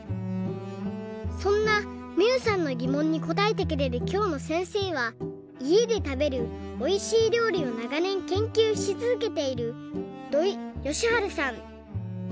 そんなみゆさんのぎもんにこたえてくれるきょうのせんせいはいえでたべるおいしいりょうりをながねんけんきゅうしつづけている土井善晴さん。